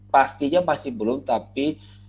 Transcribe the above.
pastinya pasti belum tapi